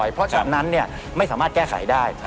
เพราะฉะนั้นไม่สามารถแก้ไขได้